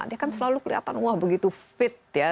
dia kan selalu kelihatan wah begitu fit ya